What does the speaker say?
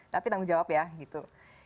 tapi tanggung jawab ya gitu